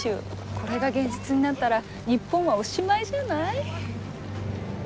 これが現実になったら日本はおしまいじゃない？